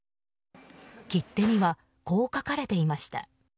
切手には、こう書かれていました。